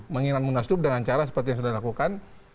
menginap munaslup dengan cara seperti yang sudah dilakukan